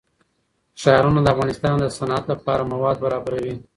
ښارونه د افغانستان د صنعت لپاره مواد برابروي.